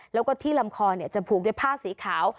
แล้วก็ที่ลำคอจะผูกด้วยผ้าสีขาว